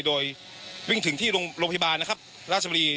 โดยวิ่งถึงที่โรงพยาบาลนะครับราชบุรี